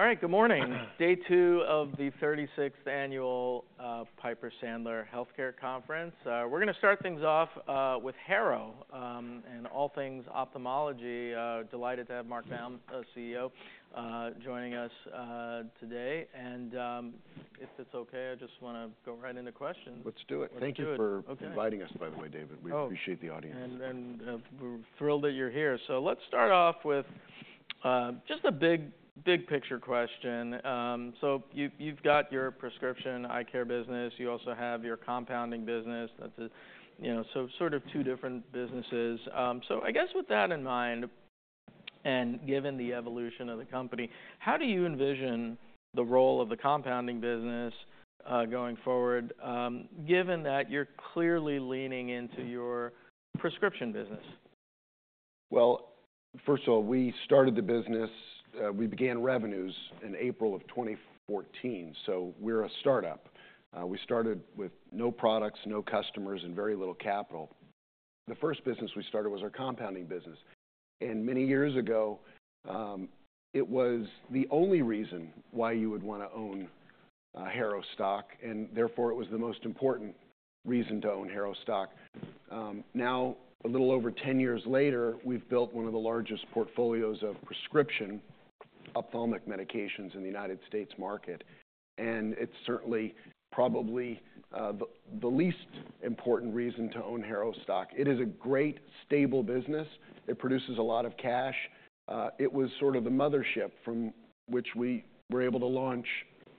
All right, good morning. Day two of the 36th Annual Piper Sandler Healthcare Conference. We're going to start things off with Harrow and all things ophthalmology. Delighted to have Mark Baum, CEO, joining us today. And if it's okay, I just want to go right into questions. Let's do it. Thank you for inviting us, by the way, David. We appreciate the audience. And we're thrilled that you're here. So let's start off with just a big picture question. So you've got your prescription eye care business. You also have your compounding business. That's sort of two different businesses. So I guess with that in mind, and given the evolution of the company, how do you envision the role of the compounding business going forward, given that you're clearly leaning into your prescription business? First of all, we started the business, we began revenues in April of 2014. We're a startup. We started with no products, no customers, and very little capital. The first business we started was our compounding business. Many years ago, it was the only reason why you would want to own Harrow stock. It was the most important reason to own Harrow stock. Now, a little over 10 years later, we've built one of the largest portfolios of prescription ophthalmic medications in the United States market. It's certainly probably the least important reason to own Harrow stock. It is a great, stable business. It produces a lot of cash. It was sort of the mothership from which we were able to launch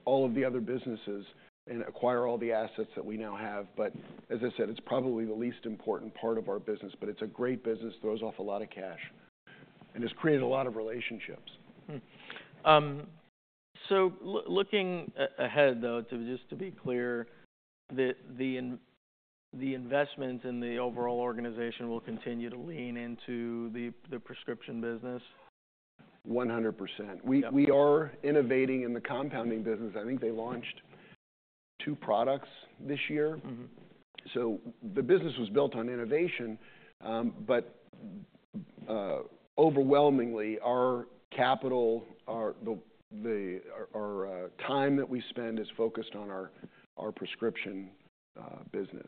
all of the other businesses and acquire all the assets that we now have. But as I said, it's probably the least important part of our business. But it's a great business, throws off a lot of cash, and has created a lot of relationships. So looking ahead, though, just to be clear, the investment in the overall organization will continue to lean into the prescription business? 100%. We are innovating in the compounding business. I think they launched two products this year. So the business was built on innovation. But overwhelmingly, our capital, our time that we spend is focused on our prescription business.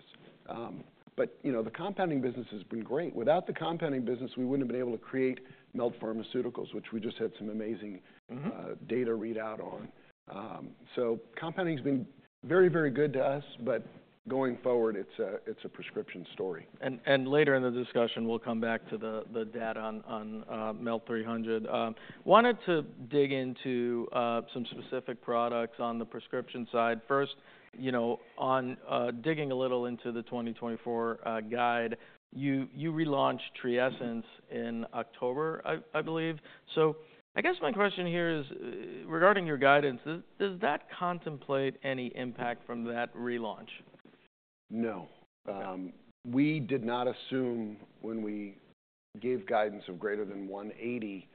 But the compounding business has been great. Without the compounding business, we wouldn't have been able to create Melt Pharmaceuticals, which we just had some amazing data readout on. So compounding has been very, very good to us. But going forward, it's a prescription story. Later in the discussion, we'll come back to the data on MELT-300. I wanted to dig into some specific products on the prescription side. First, digging a little into the 2024 guidance, you relaunched TRIESENCE in October, I believe. So I guess my question here is, regarding your guidance, does that contemplate any impact from that relaunch? No. We did not assume when we gave guidance of greater than 180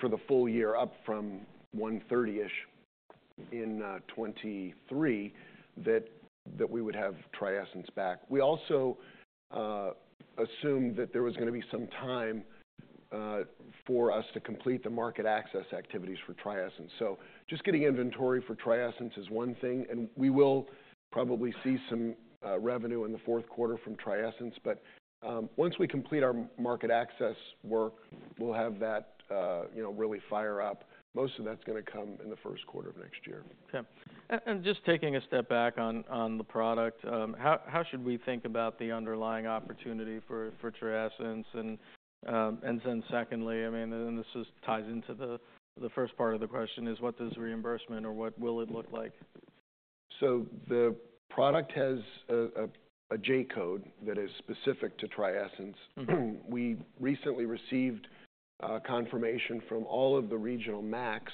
for the full year, up from 130-ish in 2023, that we would have TRIESENCE back. We also assumed that there was going to be some time for us to complete the market access activities for TRIESENCE. So just getting inventory for TRIESENCE is one thing. And we will probably see some revenue in the fourth quarter from TRIESENCE. But once we complete our market access work, we'll have that really fire up. Most of that's going to come in the first quarter of next year. Just taking a step back on the product, how should we think about the underlying opportunity for TRIESENCE? And then, secondly, I mean, and this ties into the first part of the question, what does reimbursement or what will it look like? So the product has a J-code that is specific to TRIESENCE. We recently received confirmation from all of the regional MACs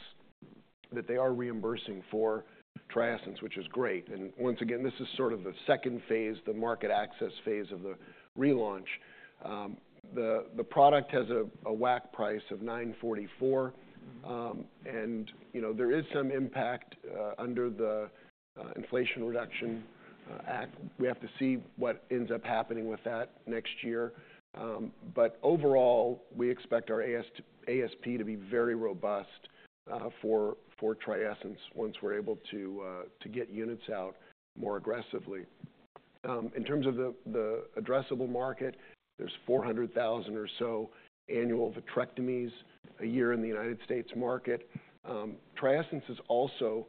that they are reimbursing for TRIESENCE, which is great. And once again, this is sort of the second phase, the market access phase of the relaunch. The product has a WAC price of $944. And there is some impact under the Inflation Reduction Act. We have to see what ends up happening with that next year. But overall, we expect our ASP to be very robust for TRIESENCE once we're able to get units out more aggressively. In terms of the addressable market, there's 400,000 or so annual vitrectomies a year in the United States market. TRIESENCE is also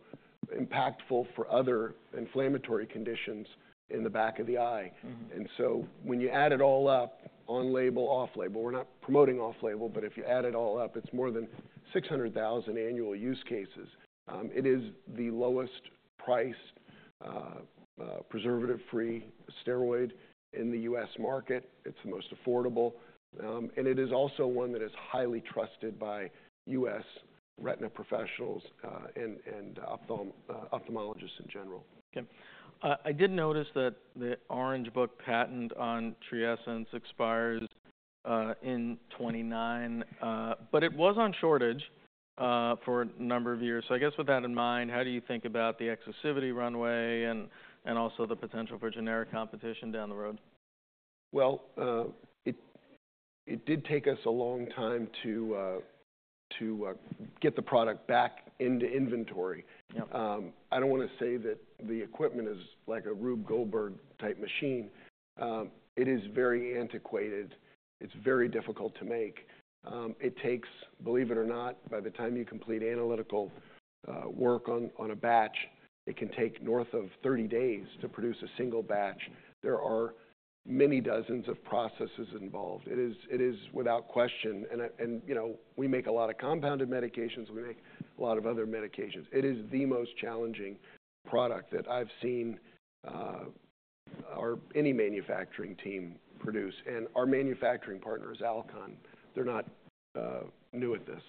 impactful for other inflammatory conditions in the back of the eye. And so when you add it all up, on label, off label, we're not promoting off label, but if you add it all up, it's more than 600,000 annual use cases. It is the lowest priced preservative-free steroid in the U.S. market. It's the most affordable. And it is also one that is highly trusted by U.S. retina professionals and ophthalmologists in general. I did notice that the Orange Book patent on TRIESENCE expires in 2029. But it was on shortage for a number of years. So I guess with that in mind, how do you think about the exclusivity runway and also the potential for generic competition down the road? It did take us a long time to get the product back into inventory. I don't want to say that the equipment is like a Rube Goldberg type machine. It is very antiquated. It's very difficult to make. It takes, believe it or not, by the time you complete analytical work on a batch, it can take north of 30 days to produce a single batch. There are many dozens of processes involved. It is without question. We make a lot of compounded medications. We make a lot of other medications. It is the most challenging product that I've seen any manufacturing team produce. Our manufacturing partner is Alcon. They're not new at this.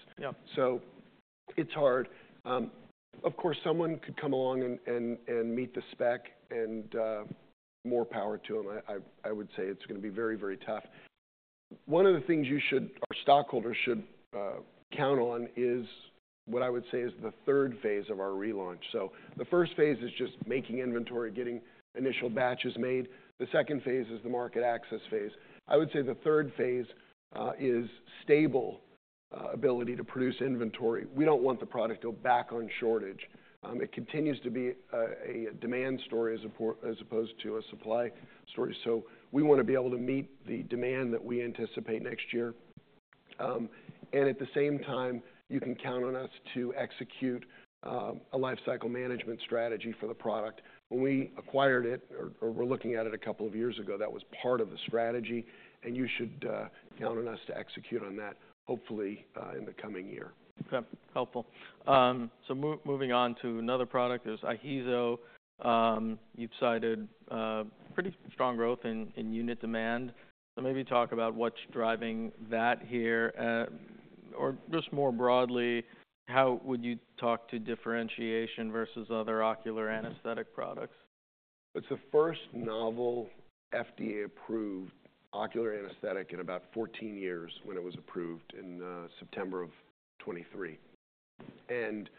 It's hard. Of course, someone could come along and meet the spec and more power to them. I would say it's going to be very, very tough. One of the things our stockholders should count on is what I would say is the third phase of our relaunch. So the first phase is just making inventory, getting initial batches made. The second phase is the market access phase. I would say the third phase is stable ability to produce inventory. We don't want the product to go back on shortage. It continues to be a demand story as opposed to a supply story. So we want to be able to meet the demand that we anticipate next year. And at the same time, you can count on us to execute a lifecycle management strategy for the product. When we acquired it, or we're looking at it a couple of years ago, that was part of the strategy. And you should count on us to execute on that, hopefully, in the coming year. Helpful. So moving on to another product, there's IHEEZO. You've cited pretty strong growth in unit demand. So maybe talk about what's driving that here? Or just more broadly, how would you talk to differentiation versus other ocular anesthetic products? It's the first novel FDA-approved ocular anesthetic in about 14 years, when it was approved in September of 2023, and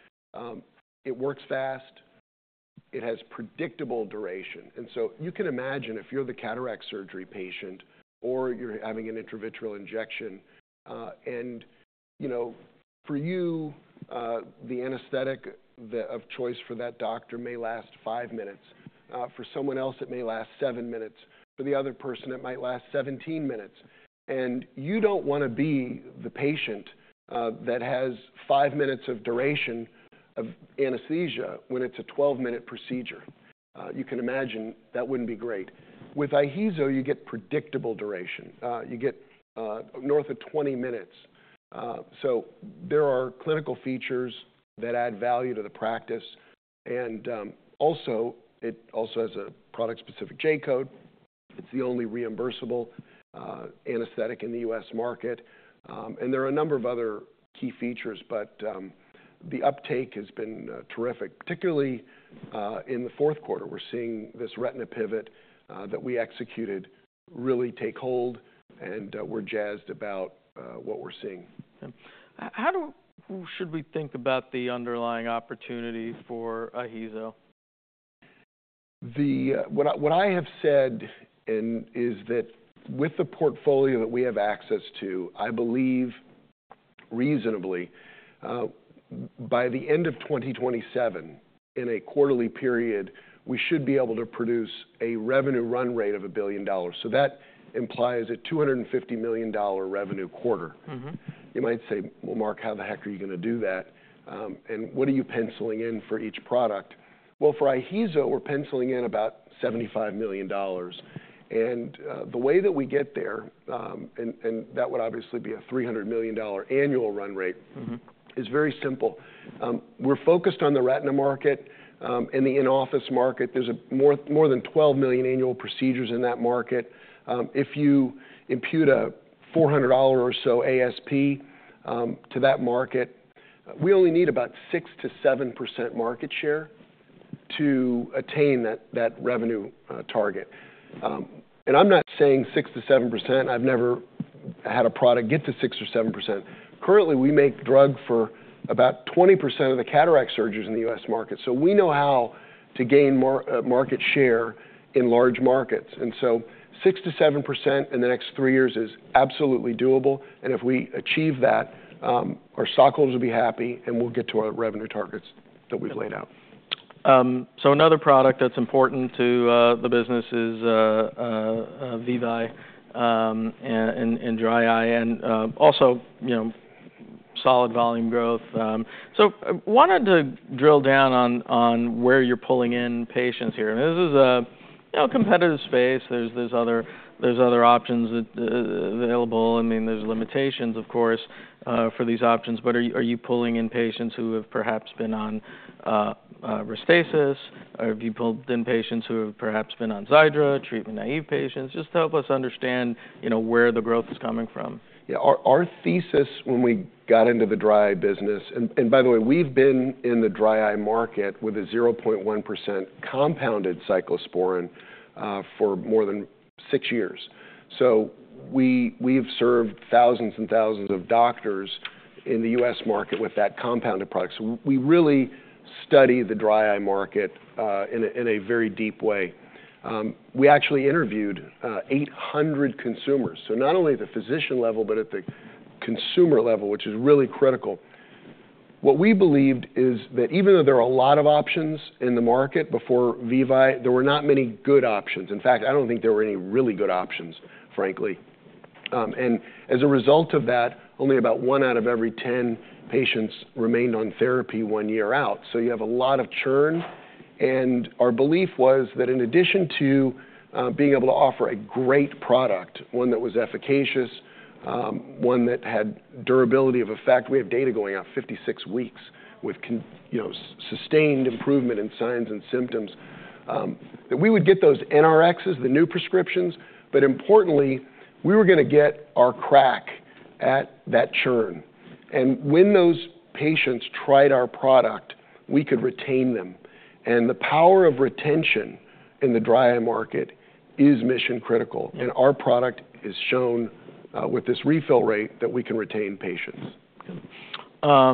it works fast. It has predictable duration, and so you can imagine if you're the cataract surgery patient or you're having an intravitreal injection, and for you, the anesthetic of choice for that doctor may last five minutes. For someone else, it may last seven minutes. For the other person, it might last 17 minutes, and you don't want to be the patient that has five minutes of duration of anesthesia when it's a 12-minute procedure. You can imagine that wouldn't be great. With IHEEZO, you get predictable duration. You get north of 20 minutes, so there are clinical features that add value to the practice, and also, it also has a product-specific J-code. It's the only reimbursable anesthetic in the U.S. market. There are a number of other key features. The uptake has been terrific. Particularly in the fourth quarter, we're seeing this retina pivot that we executed really take hold. We're jazzed about what we're seeing. How should we think about the underlying opportunity for IHEEZO? What I have said is that with the portfolio that we have access to, I believe reasonably, by the end of 2027, in a quarterly period, we should be able to produce a revenue run rate of $1 billion. That implies a $250 million revenue quarter. You might say, well, Mark, how the heck are you going to do that? And what are you penciling in for each product? For IHEEZO, we are penciling in about $75 million. The way that we get there, and that would obviously be a $300 million annual run rate, is very simple. We are focused on the retina market and the in-office market. There are more than 12 million annual procedures in that market. If you impute a $400 or so ASP to that market, we only need about 6%-7% market share to attain that revenue target. And I'm not saying 6%-7%. I've never had a product get to 6% or 7%. Currently, we make drug for about 20% of the cataract surgeries in the U.S. market. So we know how to gain market share in large markets. And so 6%-7% in the next three years is absolutely doable. And if we achieve that, our stockholders will be happy. And we'll get to our revenue targets that we've laid out. So another product that's important to the business is VEVYE and dry eye. And also solid volume growth. So I wanted to drill down on where you're pulling in patients here. This is a competitive space. There's other options available. I mean, there's limitations, of course, for these options. But are you pulling in patients who have perhaps been on Restasis? Have you pulled in patients who have perhaps been on Xiidra, treatment-naive patients? Just help us understand where the growth is coming from. Yeah. Our thesis when we got into the dry eye business, and by the way, we've been in the dry eye market with a 0.1% compounded cyclosporine for more than six years. So we have served thousands and thousands of doctors in the U.S. market with that compounded product. So we really study the dry eye market in a very deep way. We actually interviewed 800 consumers. So not only at the physician level, but at the consumer level, which is really critical. What we believed is that even though there are a lot of options in the market before VEVYE, there were not many good options. In fact, I don't think there were any really good options, frankly. And as a result of that, only about one out of every 10 patients remained on therapy one year out. So you have a lot of churn. Our belief was that in addition to being able to offer a great product, one that was efficacious, one that had durability of effect, we have data going out 56 weeks with sustained improvement in signs and symptoms, that we would get those NRXs, the new prescriptions. But importantly, we were going to get our crack at that churn. And when those patients tried our product, we could retain them. And the power of retention in the dry eye market is mission critical. And our product has shown with this refill rate that we can retain patients. Can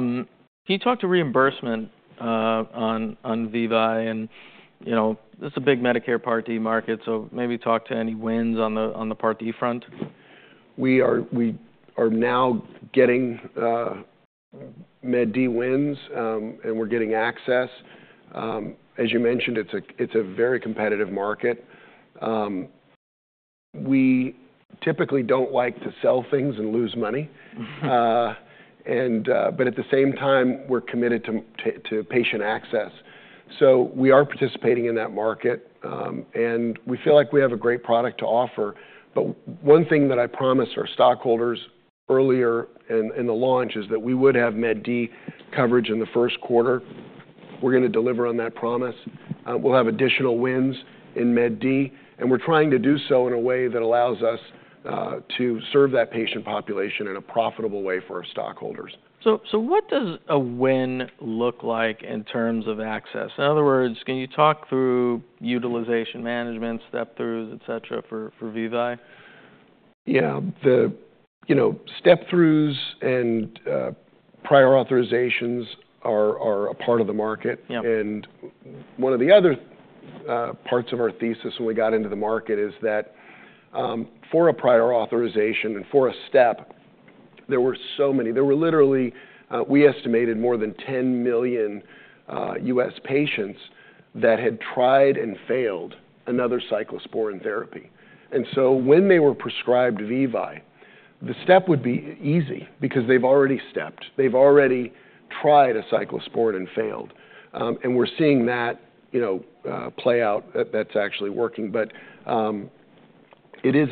you talk to reimbursement on VEVYE? And this is a big Medicare Part D market. So maybe talk to any wins on the Part D front. We are now getting Med D wins, and we're getting access. As you mentioned, it's a very competitive market. We typically don't like to sell things and lose money, but at the same time, we're committed to patient access, so we are participating in that market. And we feel like we have a great product to offer. But one thing that I promised our stockholders earlier in the launch is that we would have Med D coverage in the first quarter. We're going to deliver on that promise. We'll have additional wins in Med D, and we're trying to do so in a way that allows us to serve that patient population in a profitable way for our stockholders. So what does a win look like in terms of access? In other words, can you talk through utilization management, step-throughs, et cetera, for VEVYE? Yeah. The step-throughs and prior authorizations are a part of the market. And one of the other parts of our thesis when we got into the market is that for a prior authorization and for a step, there were so many. There were literally, we estimated more than 10 million U.S. patients that had tried and failed another cyclosporine therapy. And so when they were prescribed VEVYE, the step would be easy because they've already stepped. They've already tried a cyclosporine and failed. And we're seeing that play out. That's actually working. But it is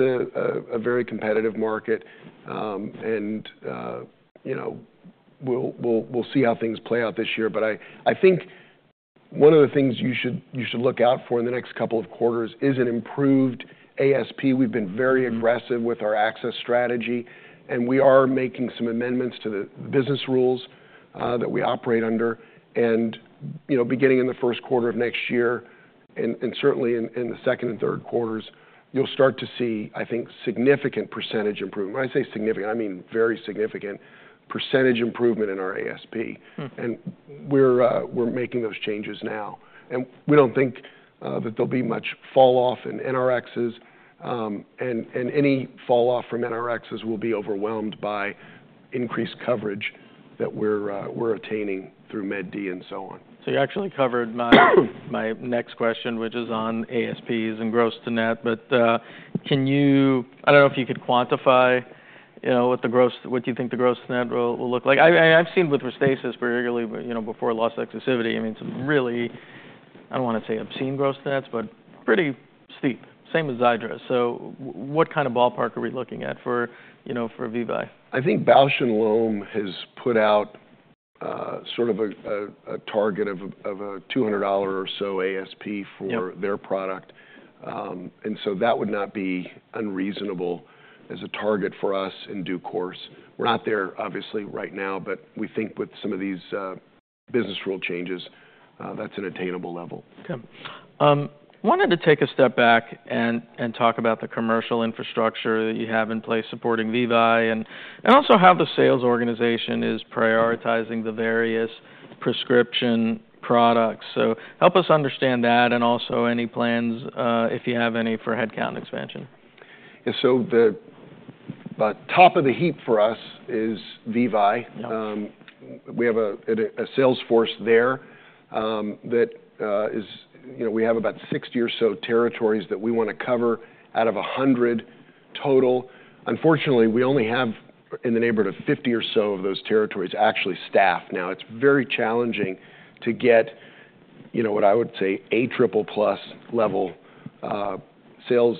a very competitive market. And we'll see how things play out this year. But I think one of the things you should look out for in the next couple of quarters is an improved ASP. We've been very aggressive with our access strategy. We are making some amendments to the business rules that we operate under. Beginning in the first quarter of next year, and certainly in the second and third quarters, you'll start to see, I think, significant percentage improvement. When I say significant, I mean very significant percentage improvement in our ASP. We're making those changes now. We don't think that there'll be much falloff in NRXs. Any falloff from NRXs will be overwhelmed by increased coverage that we're attaining through Med D and so on. So you actually covered my next question, which is on ASPs and gross to net. But can you, I don't know if you could quantify what you think the gross to net will look like. I've seen with Restasis particularly before loss of exclusivity, I mean, some really, I don't want to say obscene gross to nets, but pretty steep, same as Xiidra. So what kind of ballpark are we looking at for VEVYE? I think Bausch + Lomb has put out sort of a target of a $200 or so ASP for their product. And so that would not be unreasonable as a target for us in due course. We're not there, obviously, right now. But we think with some of these business rule changes, that's an attainable level. I wanted to take a step back and talk about the commercial infrastructure that you have in place supporting VEVYE and also how the sales organization is prioritizing the various prescription products. So help us understand that and also any plans, if you have any, for headcount expansion? So the top of the heap for us is VEVYE. We have a sales force there that is, we have about 60 or so territories that we want to cover out of 100 total. Unfortunately, we only have in the neighborhood of 50 or so of those territories actually staffed. Now, it's very challenging to get what I would say a triple-plus level sales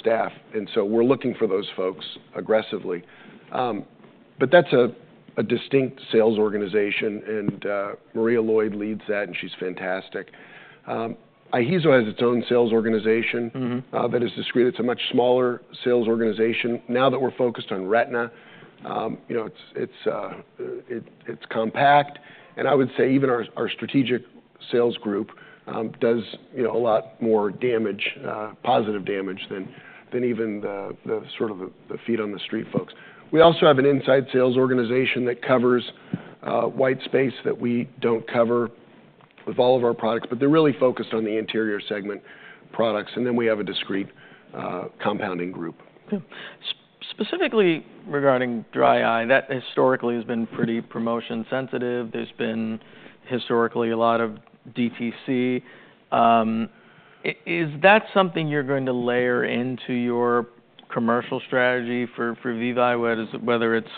staff. We're looking for those folks aggressively. That's a distinct sales organization. Maria Lloyd leads that. She's fantastic. IHEEZO has its own sales organization that is discrete. It's a much smaller sales organization. Now that we're focused on retina, it's compact. Even our strategic sales group does a lot more damage, positive damage, than even sort of the feet on the street folks. We also have an inside sales organization that covers white space that we don't cover with all of our products, but they're really focused on the anterior segment products, and then we have a discrete compounding group. Specifically regarding dry eye, that historically has been pretty promotion sensitive. There's been historically a lot of DTC. Is that something you're going to layer into your commercial strategy for VEVYE, whether it's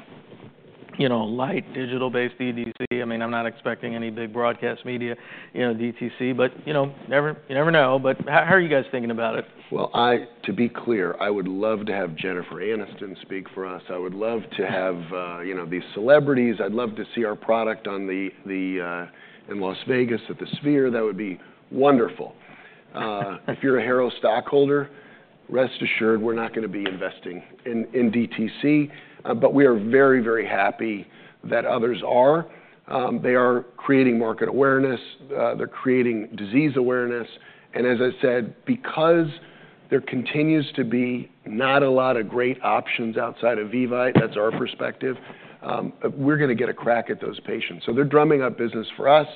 light digital-based DTC? I mean, I'm not expecting any big broadcast media DTC. But you never know. But how are you guys thinking about it? To be clear, I would love to have Jennifer Aniston speak for us. I would love to have these celebrities. I'd love to see our product in Las Vegas at the Sphere. That would be wonderful. If you're a Harrow stockholder, rest assured, we're not going to be investing in DTC. But we are very, very happy that others are. They are creating market awareness. They're creating disease awareness. And as I said, because there continues to be not a lot of great options outside of VEVYE, that's our perspective, we're going to get a crack at those patients. So they're drumming up business for us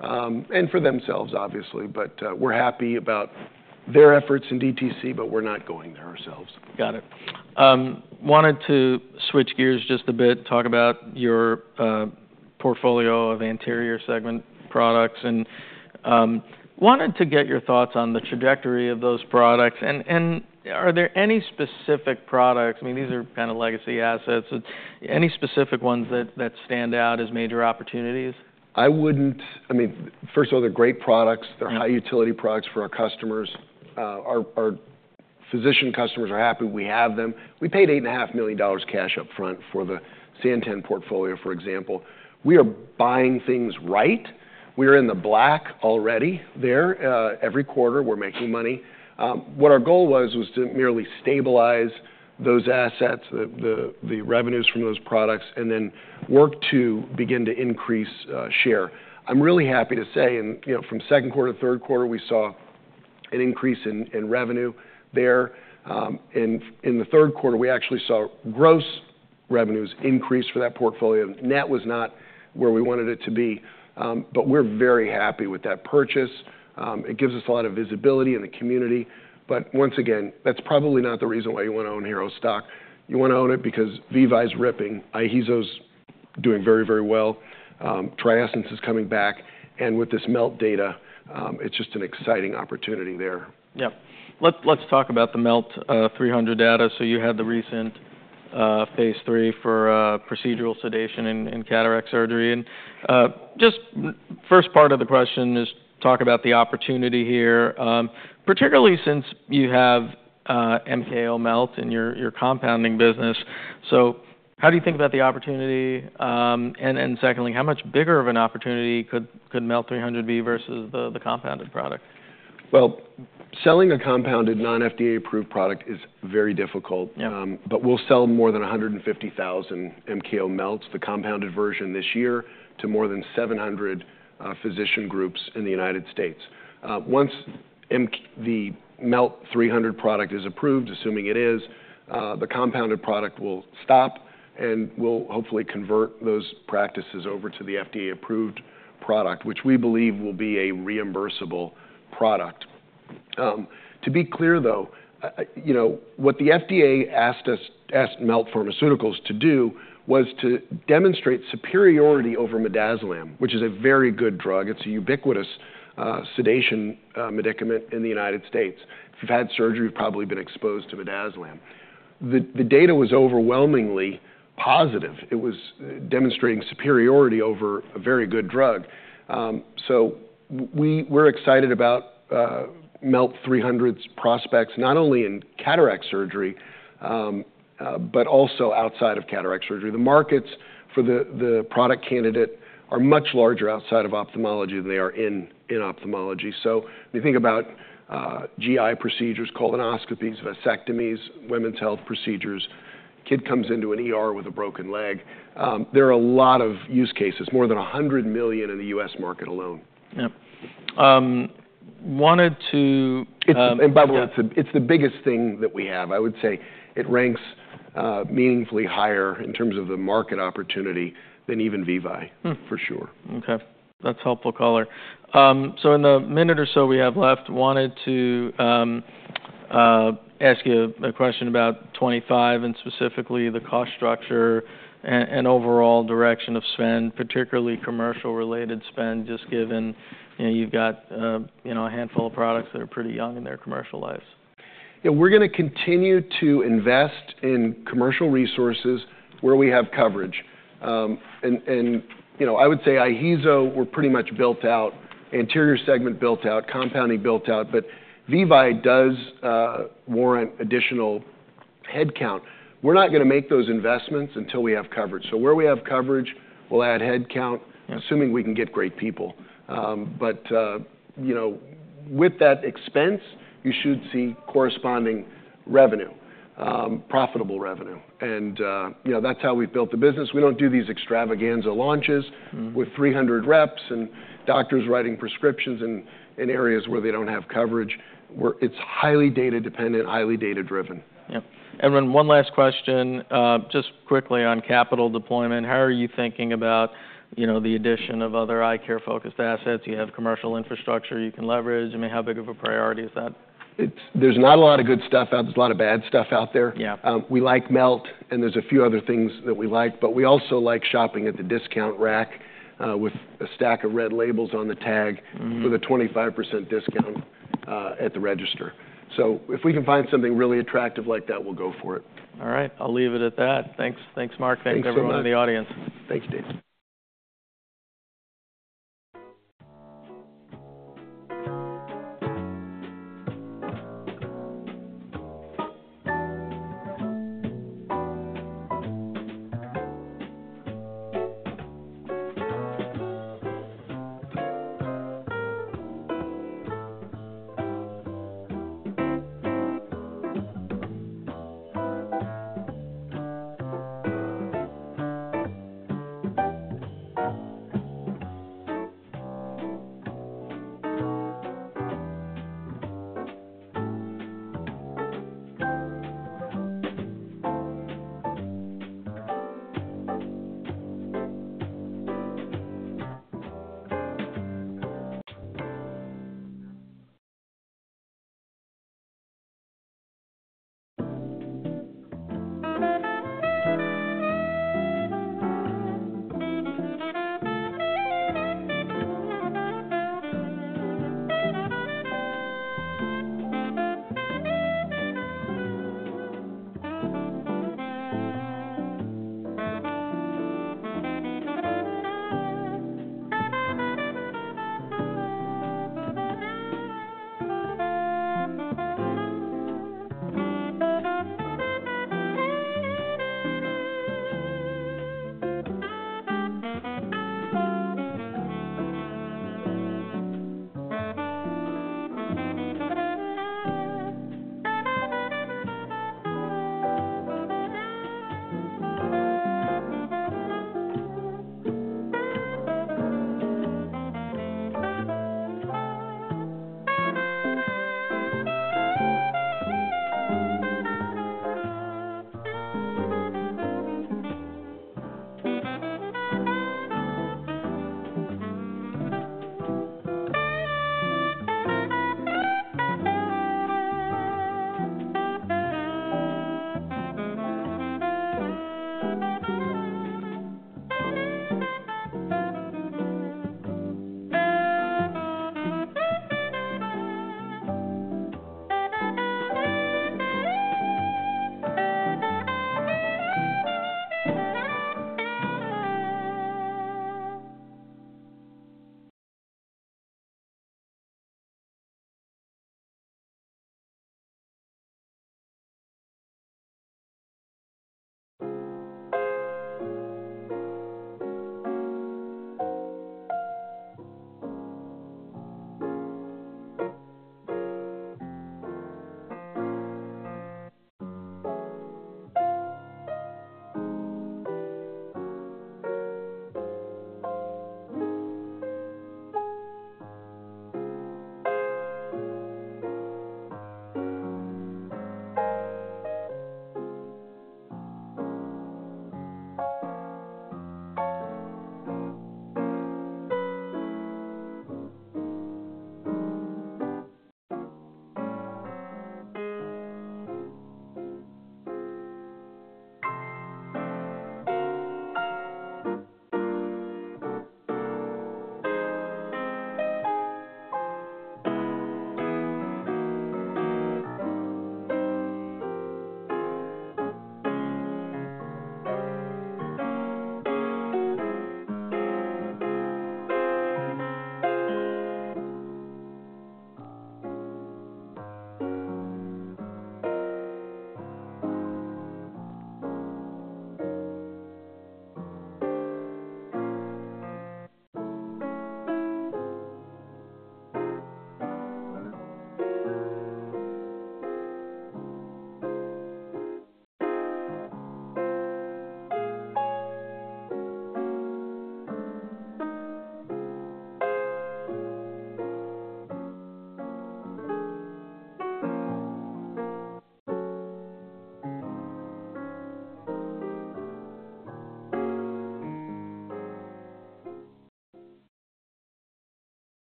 and for themselves, obviously. But we're happy about their efforts in DTC. But we're not going there ourselves. Got it. I wanted to switch gears just a bit, talk about your portfolio of anterior segment products. And wanted to get your thoughts on the trajectory of those products. And are there any specific products? I mean, these are kind of legacy assets. Any specific ones that stand out as major opportunities? I mean, first of all, they're great products. They're high utility products for our customers. Our physician customers are happy we have them. We paid $8.5 million cash upfront for the Santen portfolio, for example. We are buying things right. We are in the black already there. Every quarter, we're making money. What our goal was to merely stabilize those assets, the revenues from those products, and then work to begin to increase share. I'm really happy to say, from second quarter to third quarter, we saw an increase in revenue there. In the third quarter, we actually saw gross revenues increase for that portfolio. Net was not where we wanted it to be. But we're very happy with that purchase. It gives us a lot of visibility in the community. But once again, that's probably not the reason why you want to own Harrow stock. You want to own it because VEVYE is ripping. IHEEZO is doing very, very well. TRIESENCE is coming back. And with this MELT data, it's just an exciting opportunity there. Yeah. Let's talk about the MELT-300 data. So you had the recent phase III for procedural sedation and cataract surgery. And just first part of the question is talk about the opportunity here, particularly since you have MKO Melt in your compounding business. So how do you think about the opportunity? And secondly, how much bigger of an opportunity could MELT-300 be versus the compounded product? Selling a compounded non-FDA approved product is very difficult. We'll sell more than 150,000 MKO Melts, the compounded version this year, to more than 700 physician groups in the United States. Once the MELT-300 product is approved, assuming it is, the compounded product will stop. We'll hopefully convert those practices over to the FDA approved product, which we believe will be a reimbursable product. To be clear, though, what the FDA asked MELT Pharmaceuticals to do was to demonstrate superiority over midazolam, which is a very good drug. It's a ubiquitous sedation medicament in the United States. If you've had surgery, you've probably been exposed to midazolam. The data was overwhelmingly positive. It was demonstrating superiority over a very good drug. We're excited about MELT-300's prospects, not only in cataract surgery, but also outside of cataract surgery. The markets for the product candidate are much larger outside of ophthalmology than they are in ophthalmology. So when you think about GI procedures, colonoscopies, vasectomies, women's health procedures, a kid comes into an ER with a broken leg, there are a lot of use cases, more than 100 million in the U.S. market alone. Yeah. Wanted to. By the way, it's the biggest thing that we have. I would say it ranks meaningfully higher in terms of the market opportunity than even VEVYE, for sure. Okay. That's helpful color, so in the minute or so we have left, wanted to ask you a question about 2025 and specifically the cost structure and overall direction of spend, particularly commercial-related spend, just given you've got a handful of products that are pretty young in their commercial lives. Yeah. We're going to continue to invest in commercial resources where we have coverage. And I would say IHEEZO were pretty much built out, anterior segment built out, compounding built out. But VEVYE does warrant additional headcount. We're not going to make those investments until we have coverage. So where we have coverage, we'll add headcount, assuming we can get great people. But with that expense, you should see corresponding revenue, profitable revenue. And that's how we've built the business. We don't do these extravaganza launches with 300 reps and doctors writing prescriptions in areas where they don't have coverage. It's highly data dependent, highly data driven. Yeah. Everyone, one last question, just quickly on capital deployment. How are you thinking about the addition of other eye care focused assets? You have commercial infrastructure you can leverage. I mean, how big of a priority is that? There's not a lot of good stuff out. There's a lot of bad stuff out there. We like MELT, and there's a few other things that we like, but we also like shopping at the discount rack with a stack of red labels on the tag for the 25% discount at the register, so if we can find something really attractive like that, we'll go for it. All right. I'll leave it at that. Thanks, Mark. Thanks everyone in the audience. Thanks, Dave.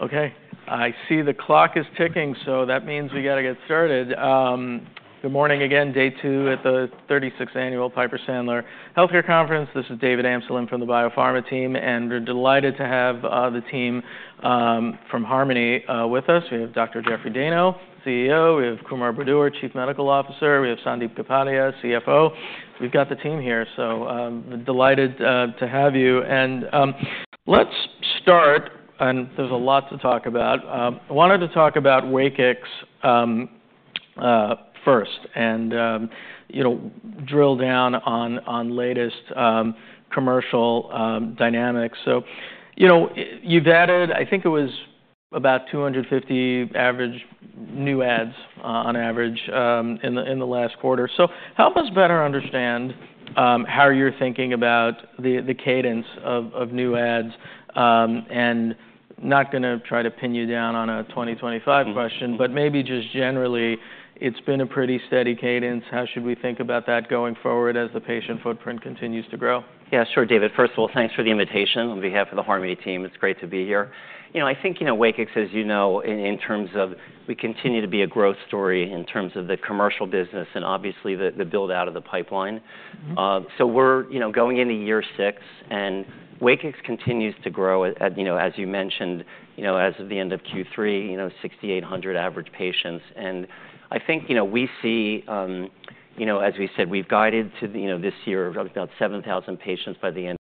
Okay. I see the clock is ticking. So that means we got to get started. Good morning again, day two at the 36th Annual Piper Sandler Healthcare Conference. This is David Amsellem from the biopharma team. And we're delighted to have the team from Harmony with us. We have Dr. Jeffrey Dayno, CEO. We have Kumar Budur, Chief Medical Officer. We have Sandeep Kapadia, CFO. We've got the team here. So delighted to have you. And let's start, and there's a lot to talk about. I wanted to talk about WAKIX first and drill down on latest commercial dynamics. So you've added, I think it was about 250 average new Rx on average in the last quarter. So help us better understand how you're thinking about the cadence of new Rx. And not going to try to pin you down on a 2025 question, but maybe just generally, it's been a pretty steady cadence. How should we think about that going forward as the patient footprint continues to grow? Yeah. Sure, David. First of all, thanks for the invitation on behalf of the Harmony team. It's great to be here. I think WAKIX, as you know, in terms of we continue to be a growth story in terms of the commercial business and obviously the build out of the pipeline, so we're going into year six, and WAKIX continues to grow, as you mentioned, as of the end of Q3, 6,800 average patients, and I think we see, as we said, we've guided to this year about 7,000 patients by the end.